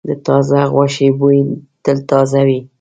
د تازه غوښې بوی تل تازه وي.